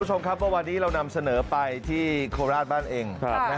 คุณผู้ชมครับเมื่อวานนี้เรานำเสนอไปที่โคราชบ้านเอง